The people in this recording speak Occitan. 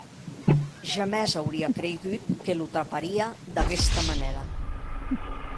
Jamès auria creigut que lo traparia d’aguesta manèra.